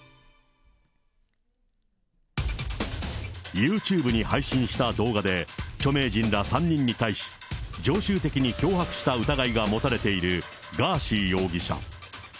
ユーチューブに配信した動画で、著名人ら３人に対し、常習的に脅迫した疑いが持たれているガーシー容疑者。